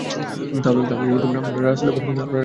তা হলে আমরা রাসূলের পর কী করেছি?